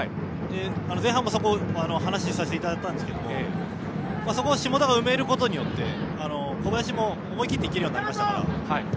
前半も話をさせていただきましたがそこを下田が埋めることによって小林も思い切って行けるようになりましたから。